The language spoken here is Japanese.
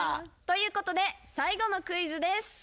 ということで最後のクイズです。